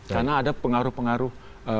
karena ada pengaruh pengaruh